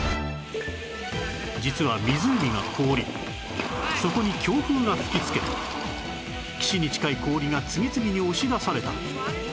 実は湖が凍りそこに強風が吹きつけ岸に近い氷が次々に押し出された